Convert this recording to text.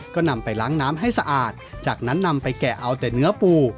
ก็นำไปล้างน้ำให้สะอาดจากนั้นนำไปแกะเอาแต่เนื้อปู